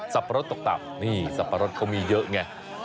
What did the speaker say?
ซับปะรดตกตั้มนี่ซับปะรดเขามีเยอะไง